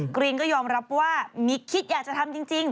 กรีนก็ยอมรับว่ามีคิดอยากจะทำจริง